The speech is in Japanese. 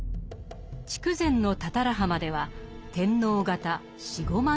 筑前の多々良浜では天皇方４５万